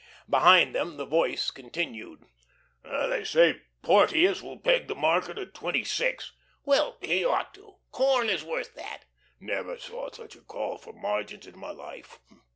Behind them the voice continued: "They say Porteous will peg the market at twenty six." "Well he ought to. Corn is worth that." "Never saw such a call for margins in my life.